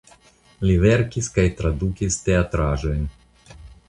Li verkis kaj tradukis teatraĵojn.